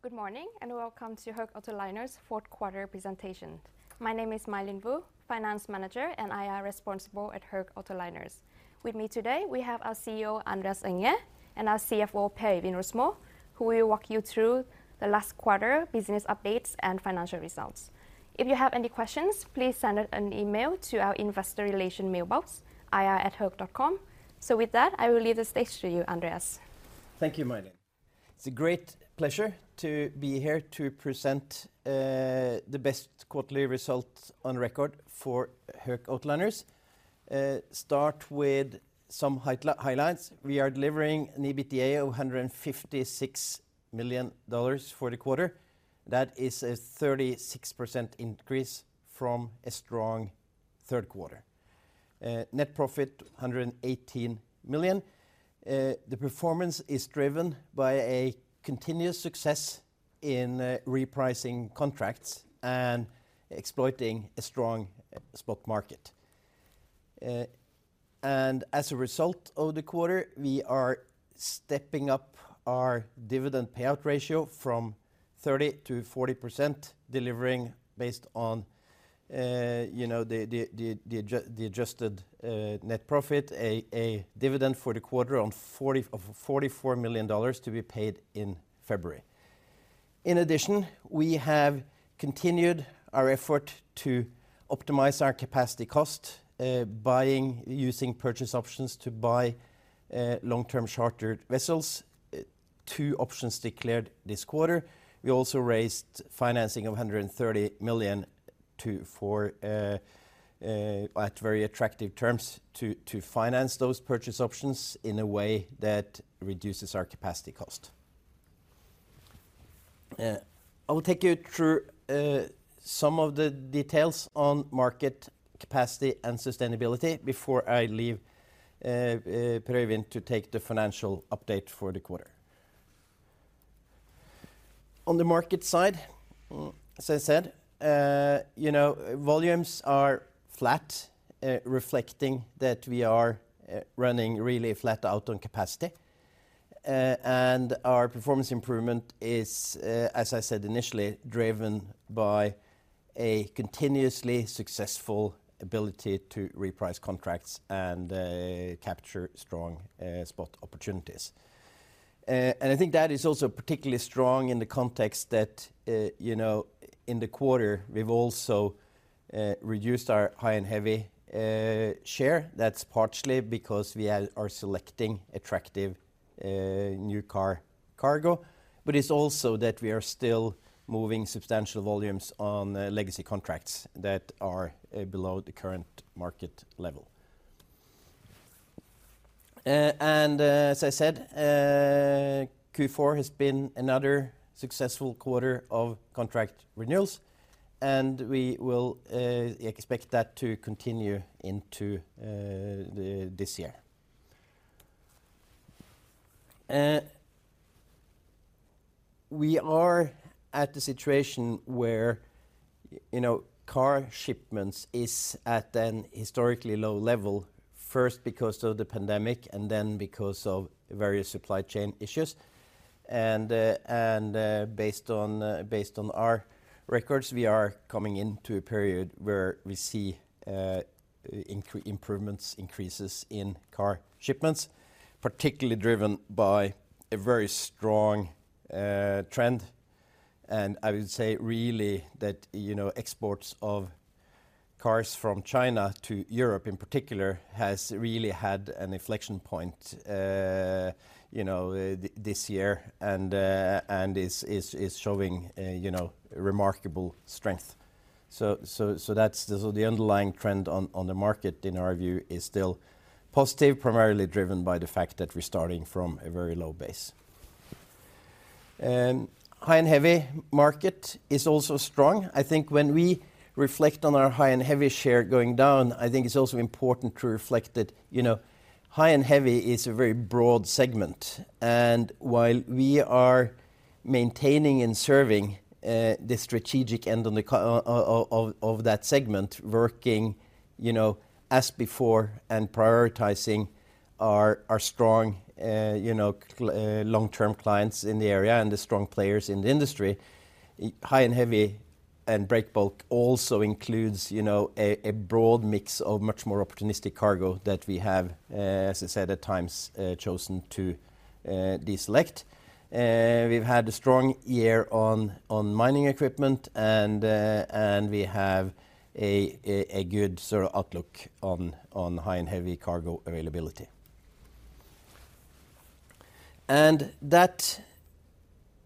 Good morning, welcome to Höegh Autoliners' fourth quarter presentation. My name is My Linh Vu, Finance Manager, and IR Responsible at Höegh Autoliners. With me today, we have our CEO, Andreas Enger, and our CFO, Per Øivind Rosmo, who will walk you through the last quarter business updates and financial results. If you have any questions, please send an email to our investor relation mailbox, ir@hoeg.com. With that, I will leave the stage to you, Andreas. Thank you, My Linh. It's a great pleasure to be here to present the best quarterly result on record for Höegh Autoliners. Start with some high-highlights. We are delivering an EBITDA of $156 million for the quarter. That is a 36% increase from a strong third quarter. Net profit, $118 million. The performance is driven by a continuous success in repricing contracts and exploiting a strong spot market. As a result of the quarter, we are stepping up our dividend payout ratio from 30% to 40%, delivering based on, you know, the adjusted net profit, a dividend for the quarter of $44 million to be paid in February. In addition, we have continued our effort to optimize our capacity cost, using purchase options to buy long-term charter vessels, 2 options declared this quarter. We also raised financing of $130 million at very attractive terms to finance those purchase options in a way that reduces our capacity cost. I will take you through some of the details on market capacity and sustainability before I leave Per Øivind to take the financial update for the quarter. On the market side, as I said, you know, volumes are flat, reflecting that we are running really flat out on capacity. Our performance improvement is, as I said initially, driven by a continuously successful ability to reprice contracts and capture strong spot opportunities. I think that is also particularly strong in the context that, you know, in the quarter, we've also reduced our high and heavy share. That's partially because we are selecting attractive new car cargo, but it's also that we are still moving substantial volumes on legacy contracts that are below the current market level. As I said, Q4 has been another successful quarter of contract renewals, and we will expect that to continue into this year. We are at the situation where, you know, car shipments is at an historically low level, first because of the pandemic and then because of various supply chain issues. Based on our records, we are coming into a period where we see improvements, increases in car shipments, particularly driven by a very strong trend. I would say really that, you know, exports of cars from China to Europe in particular has really had an inflection point, you know, this year and is showing, you know, remarkable strength. That's-- The underlying trend on the market in our view is still positive, primarily driven by the fact that we're starting from a very low base. high and heavy market is also strong. I think when we reflect on our high and heavy share going down, I think it's also important to reflect that, you know, high and heavy is a very broad segment. While we are maintaining and serving the strategic end on that segment, working, you know, as before and prioritizing our strong, you know, long-term clients in the area and the strong players in the industry, high and heavy and break bulk also includes, you know, a broad mix of much more opportunistic cargo that we have, as I said, at times, chosen to deselect. We've had a strong year on mining equipment and we have a good sort of outlook on high and heavy cargo availability. That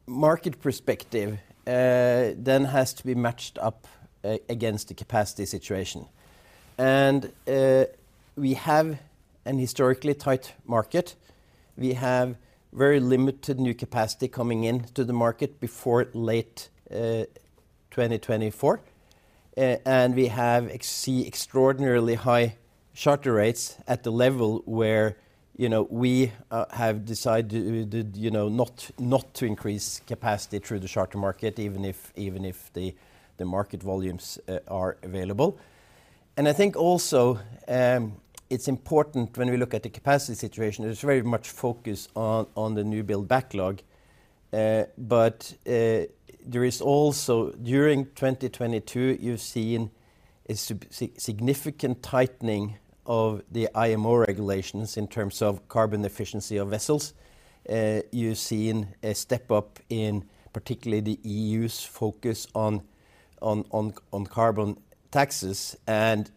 market perspective then has to be matched up against the capacity situation. We have an historically tight market. We have very limited new capacity coming in to the market before late 2024. We have extraordinarily high charter rates at the level where, you know, we have decided, you know, not to increase capacity through the charter market, even if the market volumes are available. I think also, it's important when we look at the capacity situation, there's very much focus on the new build backlog. There is also during 2022, you've seen a significant tightening of the IMO regulations in terms of carbon efficiency of vessels. You've seen a step up in particularly the EU's focus on carbon taxes.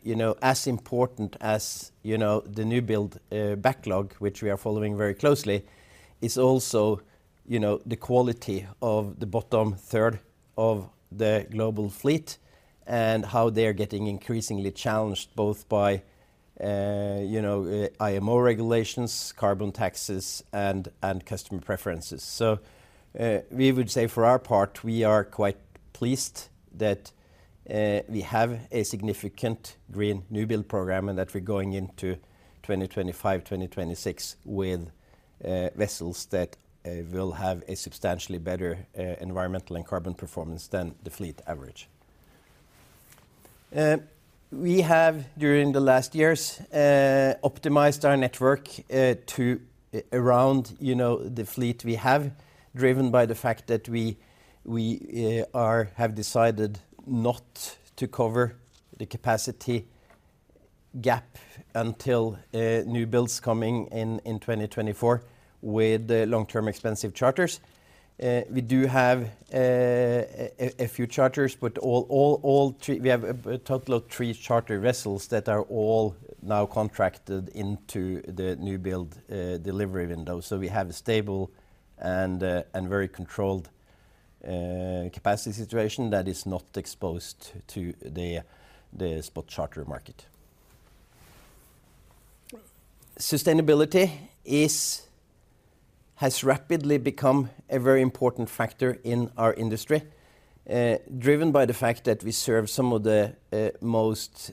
You know, as important as, you know, the new build backlog, which we are following very closely, is also, you know, the quality of the bottom third of the global fleet and how they're getting increasingly challenged both by, you know, IMO regulations, carbon taxes, and customer preferences. We would say for our part, we are quite pleased that we have a significant green new build program and that we're going into 2025, 2026 with vessels that will have a substantially better environmental and carbon performance than the fleet average. We have during the last years optimized our network to around, you know, the fleet we have, driven by the fact that we have decided not to cover the capacity gap until new builds coming in in 2024 with long-term expensive charters. We do have a few charters, but we have a total of 3 charter vessels that are all now contracted into the new build delivery window. We have a stable and very controlled capacity situation that is not exposed to the spot charter market. Sustainability has rapidly become a very important factor in our industry, driven by the fact that we serve some of the most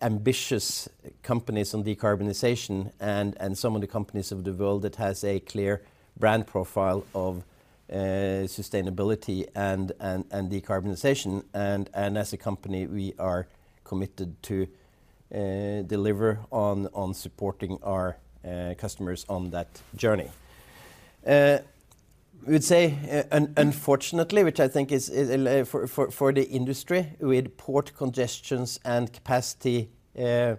ambitious companies on decarbonization and some of the companies of the world that has a clear brand profile of sustainability and decarbonization. As a company, we are committed to deliver on supporting our customers on that journey. Unfortunately, which I think is for the industry with port congestions and capacity, you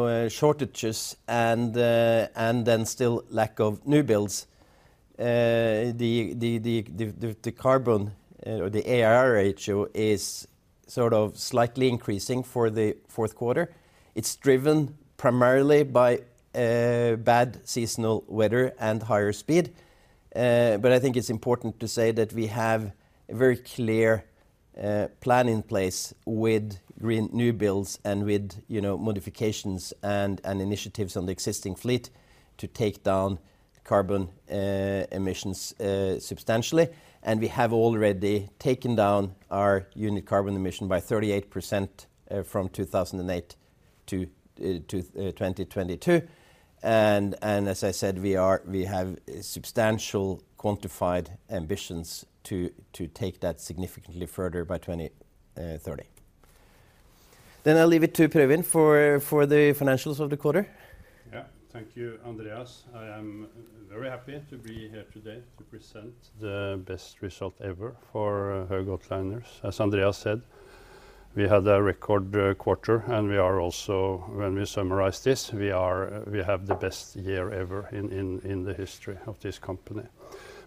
know, shortages and then still lack of new builds, the carbon or the AER ratio is sort of slightly increasing for the fourth quarter. It's driven primarily by bad seasonal weather and higher speed. I think it's important to say that we have a very clear plan in place with green new builds and with, you know, modifications and initiatives on the existing fleet to take down carbon emissions substantially. We have already taken down our unit carbon emission by 38% from 2008 to 2022. As I said, we have substantial quantified ambitions to take that significantly further by 2030. I'll leave it to Per Øivind for the financials of the quarter. Thank you, Andreas. I am very happy to be here today to present the best result ever for Höegh Autoliners. As Andreas said, we had a record quarter. We are also, when we summarize this, we have the best year ever in the history of this company.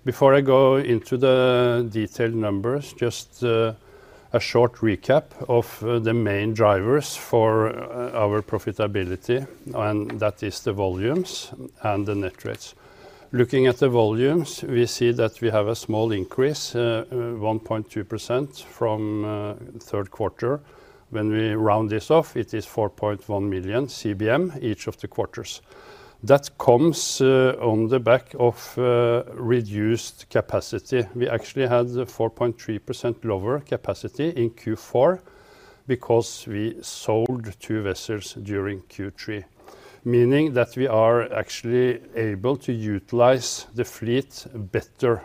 Before I go into the detailed numbers, just a short recap of the main drivers for our profitability. That is the volumes and the net rates. Looking at the volumes, we see that we have a small increase, 1.2% from 3rd quarter. When we round this off, it is 4.1 million CBM each of the quarters. That comes on the back of reduced capacity. We actually had 4.3% lower capacity in Q4 because we sold 2 vessels during Q3, meaning that we are actually able to utilize the fleet better.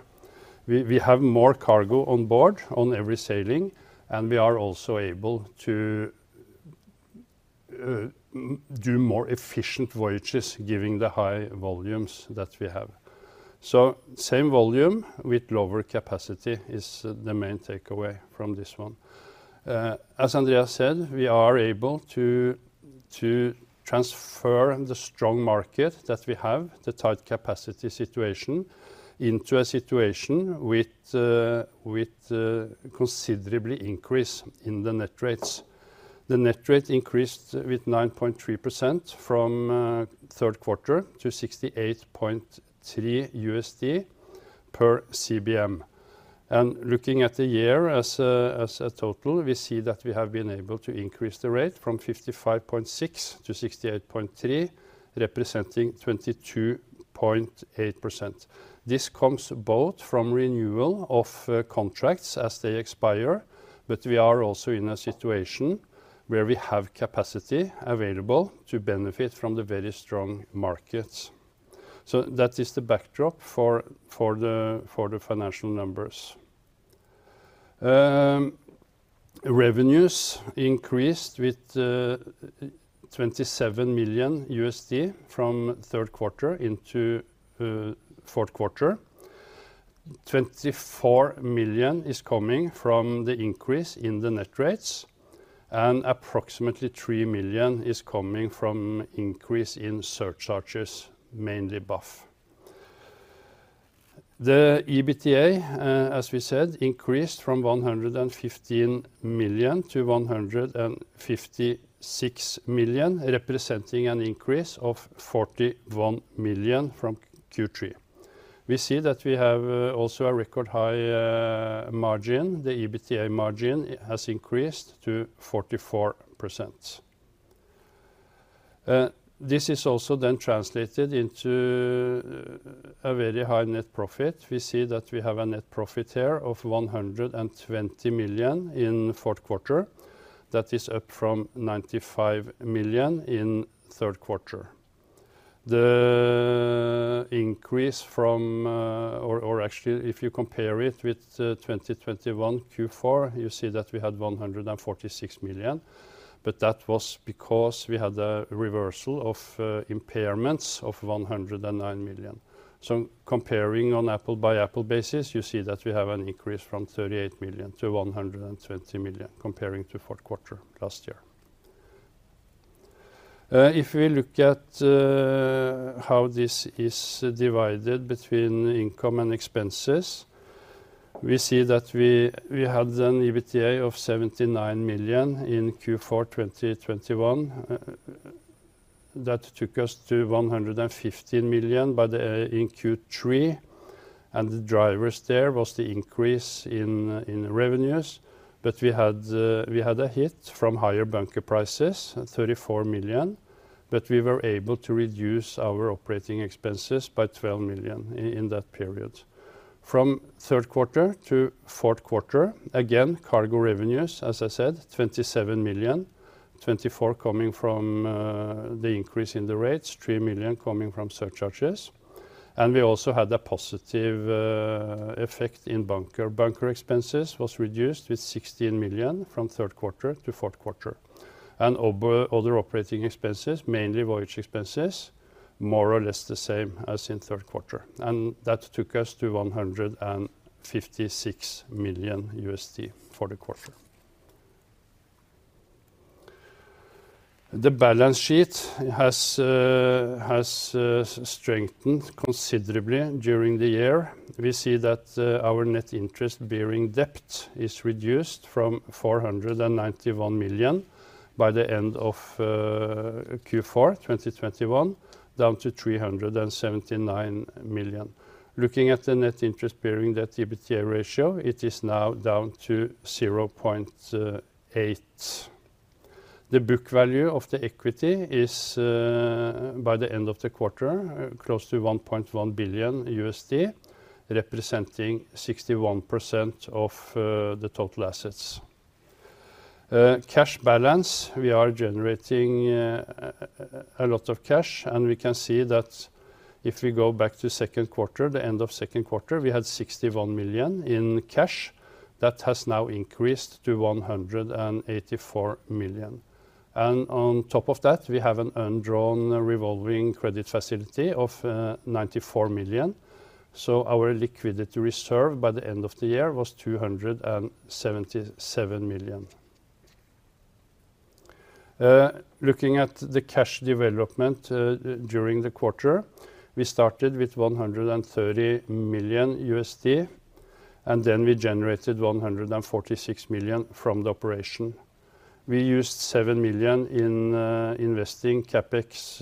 We have more cargo on board on every sailing, and we are also able to do more efficient voyages giving the high volumes that we have. Same volume with lower capacity is the main takeaway from this one. As Andreas said, we are able to transfer the strong market that we have, the tight capacity situation, into a situation with considerably increase in the net rates. The net rate increased with 9.3% from 3rd quarter to $68.3 per CBM. Looking at the year as a total, we see that we have been able to increase the rate from 55.6-68.3, representing 22.8%. This comes both from renewal of contracts as they expire, but we are also in a situation where we have capacity available to benefit from the very strong market. That is the backdrop for the financial numbers. Revenues increased with $27 million from third quarter into fourth quarter. $24 million is coming from the increase in the net rates, and approximately $3 million is coming from increase in surcharges, mainly BAF. The EBITDA, as we said, increased from $115 million-$156 million, representing an increase of $41 million from Q3. We see that we have also a record-high margin. The EBITDA margin has increased to 44%. This is also then translated into a very high net profit. We see that we have a net profit here of $120 million in fourth quarter. That is up from $95 million in third quarter. The increase from or actually if you compare it with 2021 Q4, you see that we had $146 million, but that was because we had a reversal of impairments of $109 million. Comparing on apple-by-apple basis, you see that we have an increase from $38 million to $120 million comparing to fourth quarter last year. If we look at how this is divided between income and expenses, we see that we had an EBITDA of $79 million in Q4 2021. That took us to $115 million in Q3. The drivers there was the increase in revenues, we had a hit from higher bunker prices at $34 million, we were able to reduce our operating expenses by $12 million in that period. From third quarter to fourth quarter, again, cargo revenues, as I said, $27 million, $24 million coming from the increase in the rates, $3 million coming from surcharges. We also had a positive effect in bunker. Bunker expenses was reduced with $16 million from third quarter to fourth quarter. Other operating expenses, mainly voyage expenses, more or less the same as in third quarter, and that took us to $156 million for the quarter. The balance sheet has strengthened considerably during the year. We see that our net interest bearing debt is reduced from $491 million by the end of Q4 2021, down to $379 million. Looking at the net interest bearing debt EBITDA ratio, it is now down to 0.8. The book value of the equity is by the end of the quarter, close to $1.1 billion, representing 61% of the total assets. Cash balance, we are generating a lot of cash, and we can see that if we go back to second quarter, the end of second quarter, we had $61 million in cash. That has now increased to $184 million. On top of that, we have an undrawn revolving credit facility of $94 million. Our liquidity reserve by the end of the year was $277 million. Looking at the cash development during the quarter, we started with $130 million, and then we generated $146 million from the operation. We used $7 million in investing CapEx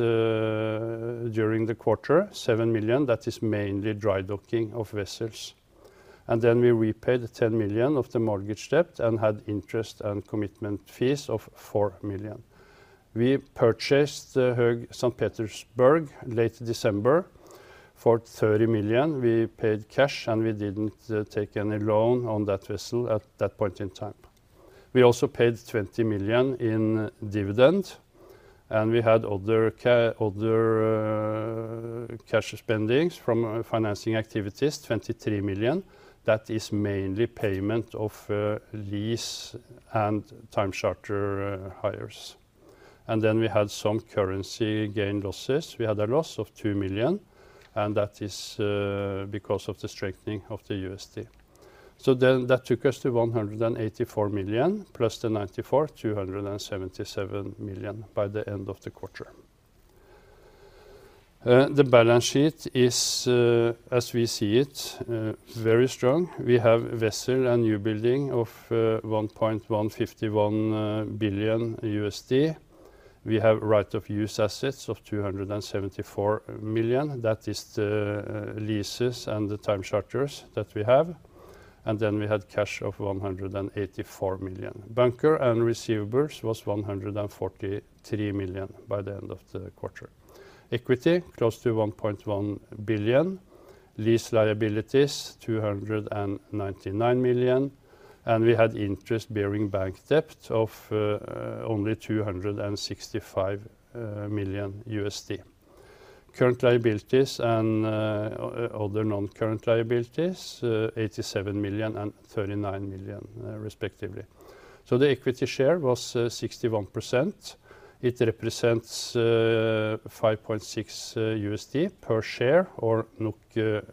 during the quarter. $7 million, that is mainly dry docking of vessels. We repaid $10 million of the mortgage debt and had interest and commitment fees of $4 million. We purchased the Höegh St. Petersburg late December for $30 million. We paid cash, and we didn't take any loan on that vessel at that point in time. We also paid $20 million in dividend, and we had other cash spendings from financing activities, $23 million. That is mainly payment of lease and time charter hires. We had some currency gain losses. We had a loss of $2 million, and that is because of the strengthening of the USD. That took us to $184 million plus the $94, $277 million by the end of the quarter. The balance sheet is as we see it, very strong. We have vessel and new building of $1.151 billion. We have right-of-use assets of $274 million. That is the leases and the time charters that we have. Then we had cash of $184 million. Bunker and receivables was $143 million by the end of the quarter. Equity, close to $1.1 billion. Lease liabilities, $299 million. We had interest-bearing bank debt of only $265 million. Current liabilities and other non-current liabilities, $87 million and $39 million, respectively. The equity share was 61%. It represents $5.6 per share or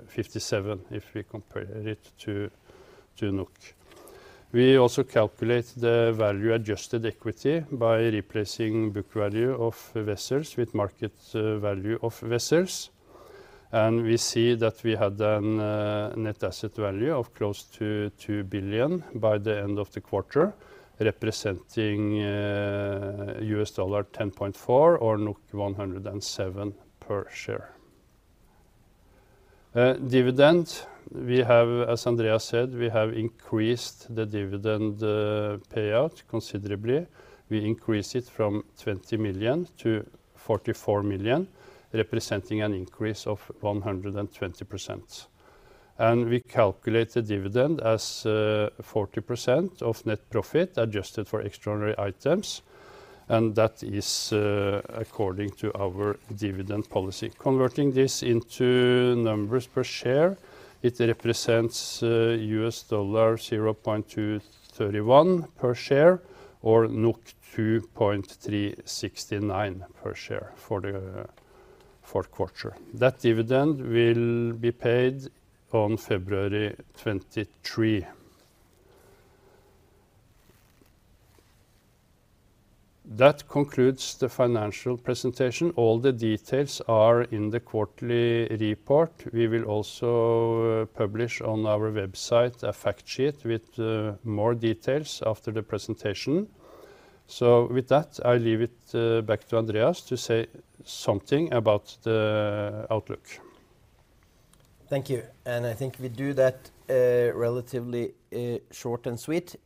57 if we compare it to NOK. We also calculate the value adjusted equity by replacing book value of vessels with market value of vessels. We see that we had net asset value of close to $2 billion by the end of the quarter, representing $10.4 or 107 per share. Dividend, we have, as Andreas said, we have increased the dividend payout considerably. We increased it from $20 million-$44 million, representing an increase of 120%. We calculate the dividend as 40% of net profit adjusted for extraordinary items, and that is according to our dividend policy. Converting this into numbers per share, it represents $0.231 per share or 2.369 per share for the fourth quarter. That dividend will be paid on February twenty-three. That concludes the financial presentation. All the details are in the quarterly report. We will also publish on our website a fact sheet with more details after the presentation. With that, I leave it back to Andreas to say something about the outlook. Thank you. I think we do that relatively short and sweet.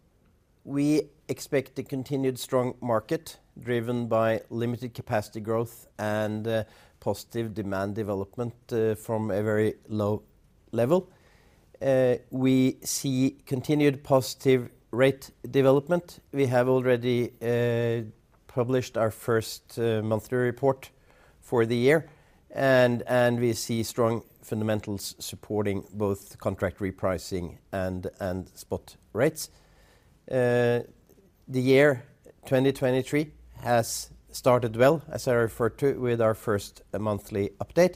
We expect a continued strong market driven by limited capacity growth and positive demand development from a very low level. We see continued positive rate development. We have already published our first monthly report for the year and we see strong fundamentals supporting both contract repricing and spot rates. The year 2023 has started well, as I referred to with our first monthly update.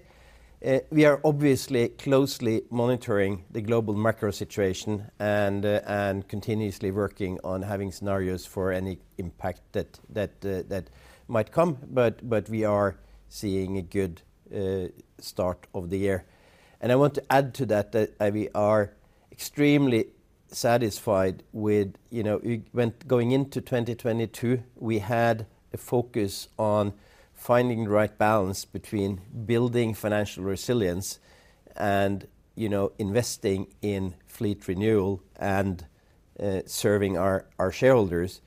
We are obviously closely monitoring the global macro situation and continuously working on having scenarios for any impact that might come. We are seeing a good start of the year. I want to add to that we are extremely satisfied with, you know, when going into 2022, we had a focus on finding the right balance between building financial resilience and, you know, investing in fleet renewal and serving our shareholders.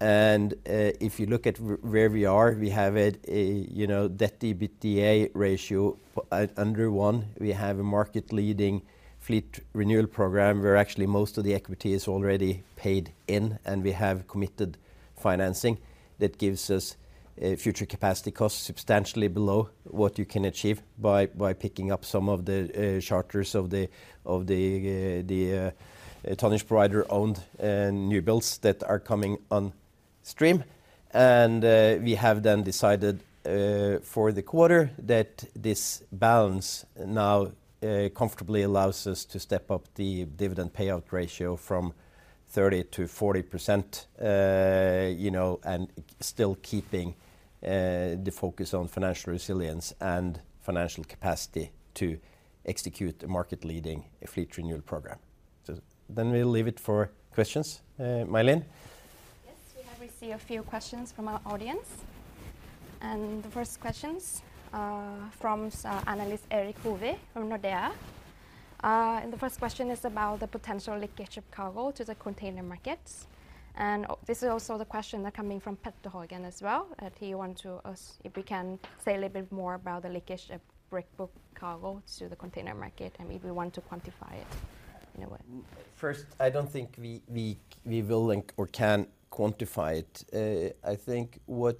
If you look at where we are, we have a, you know, debt-to-EBITDA ratio at under one. We have a market-leading fleet renewal program where actually most of the equity is already paid in, and we have committed financing that gives us future capacity costs substantially below what you can achieve by picking up some of the charters of the tonnage provider-owned new builds that are coming on stream. We have then decided for the quarter that this balance now comfortably allows us to step up the dividend payout ratio from 30%-40%, you know, and still keeping the focus on financial resilience and financial capacity to execute a market-leading fleet renewal program. We'll leave it for questions, My Linh. Yes. We have received a few questions from our audience. The first questions from analyst Erik Hovi from Nordea. The first question is about the potential leakage of cargo to the container markets. This is also the question coming from Petter Haugen as well, that he want to ask if you can say a little bit more about the leakage of break bulk cargo to the container market, and if you want to quantify it in a way. First, I don't think we will link or can quantify it. I think what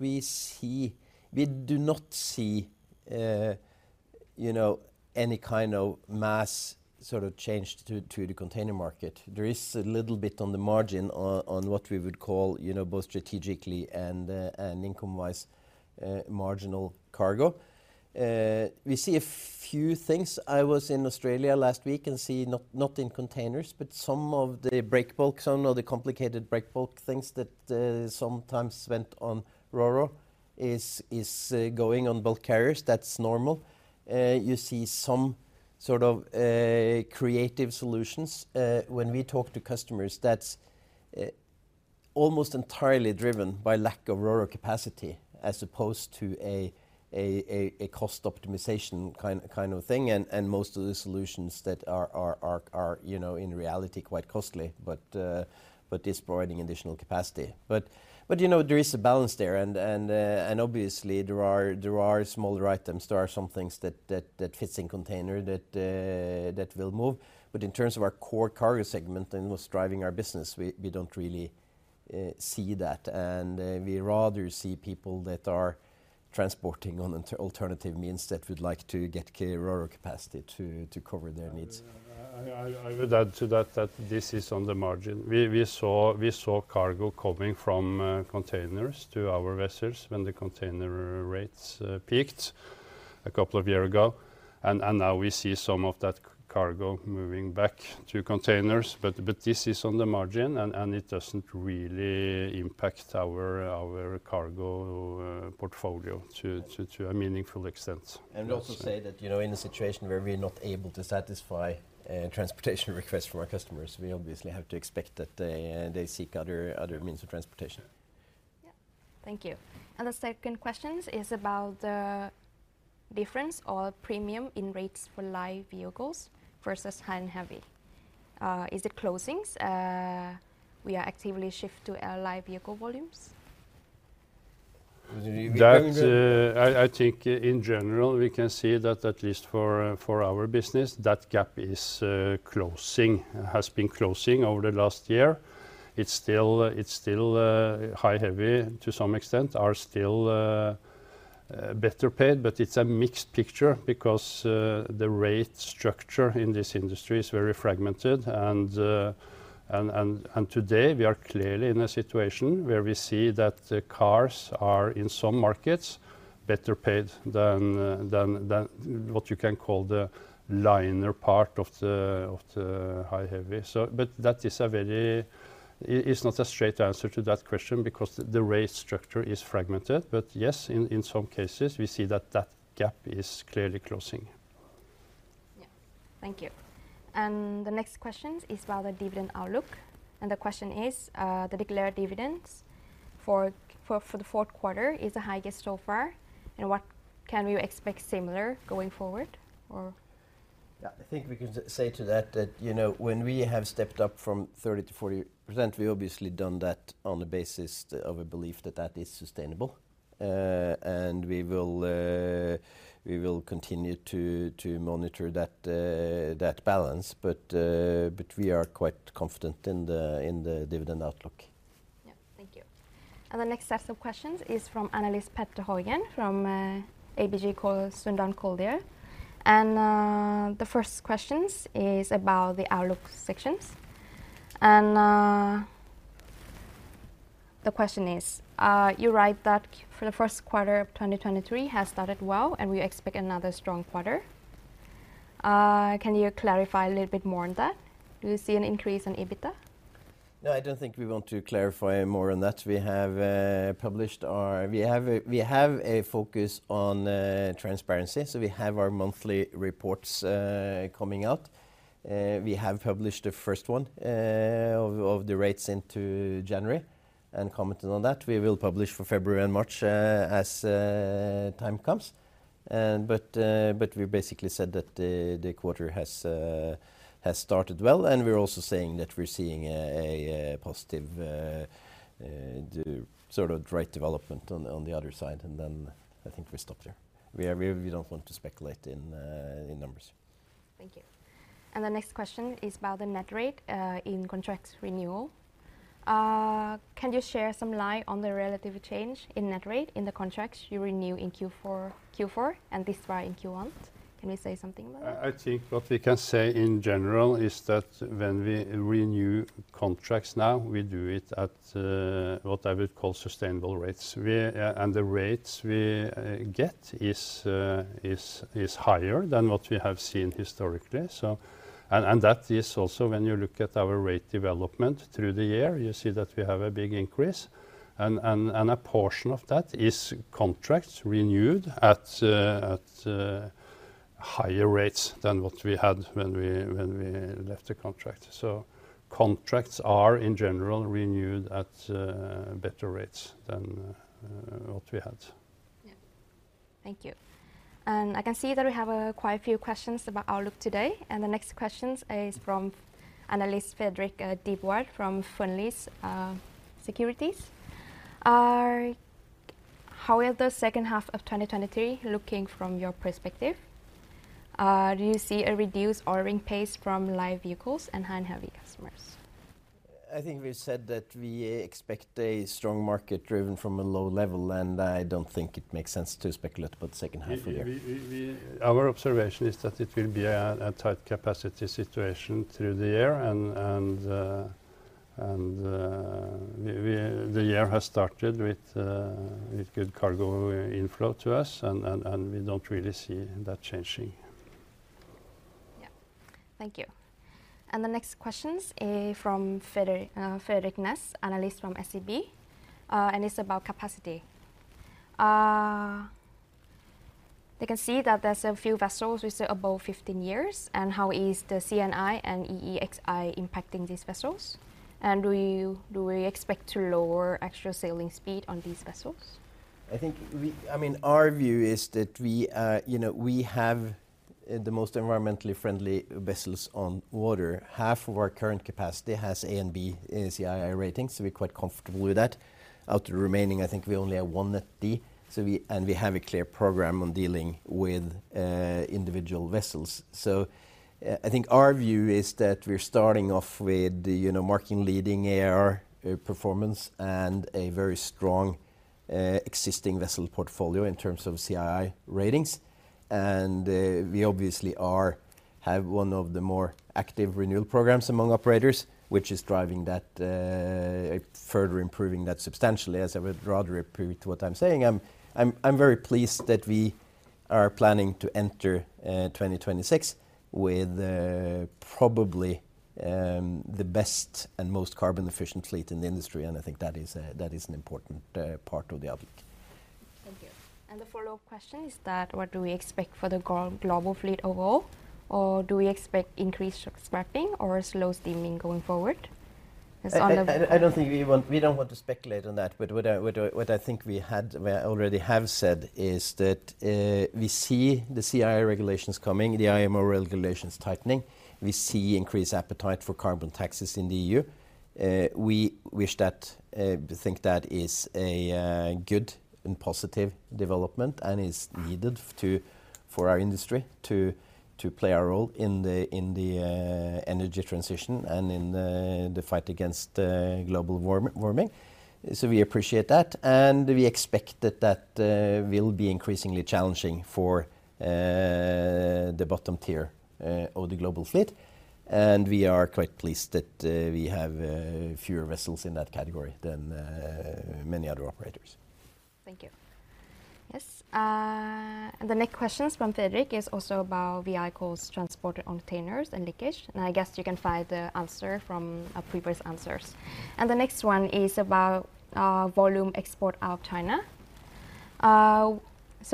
we see, we do not see, you know, any kind of mass sort of change to the container market. There is a little bit on the margin on what we would call, you know, both strategically and income-wise, marginal cargo. We see a few things. I was in Australia last week and see not in containers, but some of the break bulk, some of the complicated break bulk things that sometimes went on roro is going on both carriers. That's normal. You see some sort of creative solutions. When we talk to customers, that's almost entirely driven by lack of ro-ro capacity as supposed to a cost optimization kind of thing. Most of the solutions that are, you know, in reality quite costly, but is providing additional capacity. But, you know, there is a balance there and obviously there are smaller items. There are some things that fits in container that will move. In terms of our core cargo segment and what's driving our business, we don't really see that. We rather see people that are transporting on inter-alternative means that would like to get ro-ro capacity to cover their needs. Yeah. I would add to that this is on the margin. We saw cargo coming from containers to our vessels when the container rates peaked a couple of year ago, and now we see some of that cargo moving back to containers. This is on the margin and it doesn't really impact our cargo portfolio to a meaningful extent. Also say that, you know, in a situation where we're not able to satisfy a transportation request from our customers, we obviously have to expect that they seek other means of transportation. Yeah. Thank you. The second questions is about the difference or premium in rates for live vehicles versus high and heavy. Is it closings? We are actively shift to our light vehicles volumes. That Do you- I think in general we can see that at least for our business, that gap is closing. Has been closing over the last year. It's still high heavy to some extent are still better paid, but it's a mixed picture because the rate structure in this industry is very fragmented. Today we are clearly in a situation where we see that the cars are, in some markets, better paid than what you can call the liner part of the high heavy. That is a very. It's not a straight answer to that question, because the rate structure is fragmented. Yes, in some cases we see that that gap is clearly closing. Yeah. Thank you. The next question is about the dividend outlook, and the question is, the declared dividends for the fourth quarter is the highest so far, and what can you expect similar going forward, or? Yeah, I think we can say to that, you know, when we have stepped up from 30% to 40%, we obviously done that on the basis of a belief that that is sustainable. We will continue to monitor that balance, but we are quite confident in the dividend outlook. Yeah. Thank you. The next set of questions is from analyst Petter Haugen from ABG Sundal Collier. The first questions is about the outlook sections. The question is, "You write that for the first quarter of 2023 has started well, and we expect another strong quarter. Can you clarify a little bit more on that? Do you see an increase in EBITDA? No, I don't think we want to clarify more on that. We have a focus on transparency, so we have our monthly reports coming out. We have published the first one of the rates into January and commented on that. We will publish for February and March as time comes. But we basically said that the quarter has started well, and we're also saying that we're seeing a positive sort of rate development on the other side, and then I think we stop there. We don't want to speculate in numbers. Thank you. The next question is about the net rate in contracts renewal. Can you share some light on the relative change in net rate in the contracts you renew in Q4 and this far in Q1? Can you say something about that? I think what we can say in general is that when we renew contracts now, we do it at what I would call sustainable rates. We and the rates we get is higher than what we have seen historically, so. That is also when you look at our rate development through the year, you see that we have a big increase. A portion of that is contracts renewed at higher rates than what we had when we left the contract. Contracts are, in general, renewed at better rates than what we had. Yeah. Thank you. I can see that we have quite a few questions about outlook today. The next questions is from analyst Fredrik Dybwad from Fearnley Securities. How will the second half of 2023 looking from your perspective? Do you see a reduced ordering pace from live vehicles and high and heavy customers? I think we said that we expect a strong market driven from a low level. I don't think it makes sense to speculate about the second half of the year. Our observation is that it will be a tight capacity situation through the year, and the year has started with good cargo inflow to us and we don't really see that changing. Yeah. Thank you. The next question is from Frederik Ness, analyst from SEB, and it's about capacity. They can see that there's a few vessels with above 15 years, and how is the CII and EEXI impacting these vessels? Do we expect to lower extra sailing speed on these vessels? I think we, I mean, our view is that we, you know, we have the most environmentally friendly vessels on water. Half of our current capacity has A and B EEXI ratings, so we're quite comfortable with that. Out of the remaining, I think we only have one at D, and we have a clear program on dealing with individual vessels. I think our view is that we're starting off with the, you know, market-leading AER performance, and a very strong existing vessel portfolio in terms of CII ratings. We obviously have one of the more active renewal programs among operators, which is driving that, further improving that substantially, as I would rather repeat what I'm saying. I'm very pleased that we are planning to enter 2026 with probably the best and most carbon efficient fleet in the industry, and I think that is that is an important part of the outlook. Thank you. The follow-up question is that what do we expect for the global fleet overall, or do we expect increased slow steaming going forward? As on a- We don't want to speculate on that. What I think we already have said is that we see the CII regulations coming, the IMO regulations tightening. We see increased appetite for carbon taxes in the EU. We wish that we think that is a good and positive development and is needed to, for our industry to play a role in the, in the energy transition and in the fight against global warming. We appreciate that, and we expect that that will be increasingly challenging for the bottom tier of the global fleet. We are quite pleased that we have fewer vessels in that category than many other operators. Thank you. Yes. The next question's from Frederick. It's also about vehicles transported on containers and leakage, I guess you can find the answer from our previous answers. The next one is about volume export out China.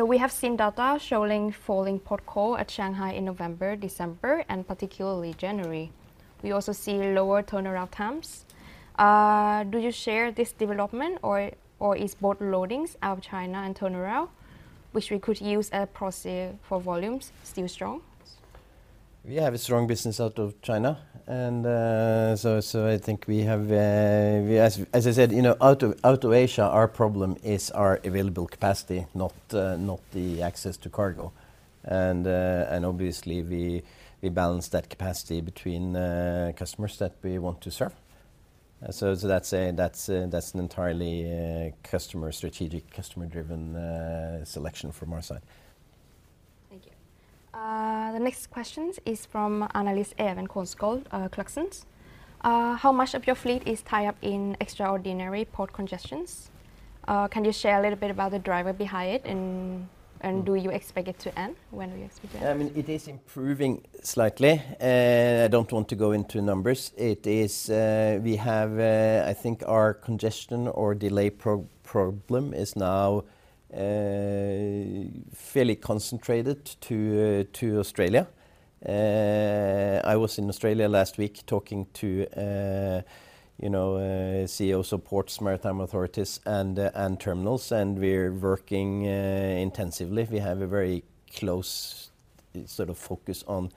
We have seen data showing falling port call at Shanghai in November, December, and particularly January. We also see lower turnaround times. Do you share this development, or is both loadings out China and turnaround, which we could use a proxy for volumes, still strong? We have a strong business out of China, and so I think we have, As I said, you know, out of Asia, our problem is our available capacity, not the access to cargo. Obviously we balance that capacity between customers that we want to serve. That's a, that's an entirely customer-strategic, customer-driven selection from our side. Thank you. The next question is from analyst Even Kolsgaard at Clarksons. How much of your fleet is tied up in extraordinary port congestions? Can you share a little bit about the driver behind it, and do you expect it to end? When will you expect it to end? I mean, it is improving slightly. I don't want to go into numbers. It is, we have, I think our congestion or delay problem is now fairly concentrated to Australia. I was in Australia last week talking to, you know, CEOs of port, maritime authorities and terminals, and we're working intensively. We have a very close sort of focus on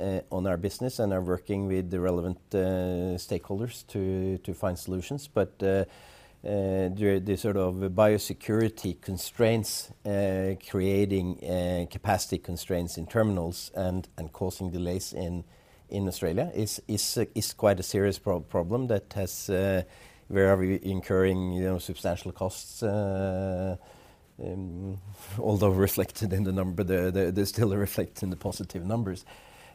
our business and are working with the relevant stakeholders to find solutions. The sort of biosecurity constraints creating capacity constraints in terminals and causing delays in Australia is quite a serious problem that has where we are incurring, you know, substantial costs. Although reflected in the number, they still reflect in the positive numbers.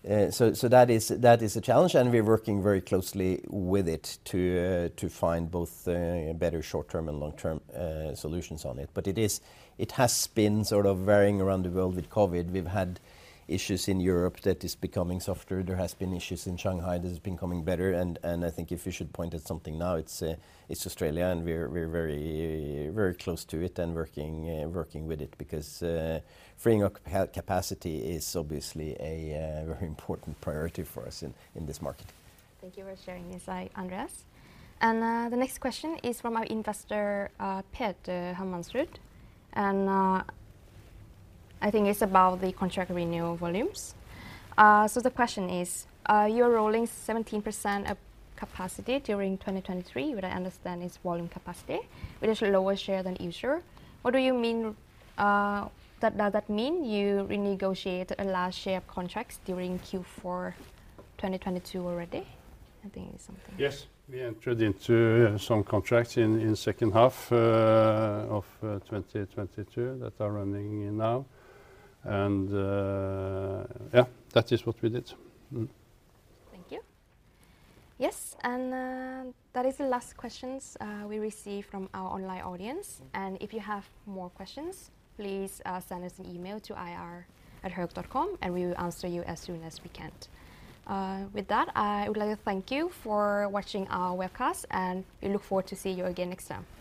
That is, that is a challenge, and we're working very closely with it to find both better short-term and long-term solutions on it. It is, it has been sort of varying around the world with COVID. We've had issues in Europe that is becoming softer. There has been issues in Shanghai that has been becoming better. I think if you should point at something now, it's Australia, and we're very, very close to it and working with it because freeing up capacity is obviously a very important priority for us in this market. Thank you for sharing this, Andreas. The next question is from our investor, Peter Hermanrud. I think it's about the contract renewal volumes. The question is, you're rolling 17% of capacity during 2023, what I understand is volume capacity, which is lower share than usual. What do you mean? Does that mean you renegotiate a large share of contracts during Q4 2022 already? I think it's something- Yes. We entered into some contracts in second half of 2022 that are running now. Yeah, that is what we did. Thank you. Yes, and that is the last questions we received from our online audience. If you have more questions, please send us an email to ir@hoeg.com. We will answer you as soon as we can. With that, I would like to thank you for watching our webcast. We look forward to see you again next time.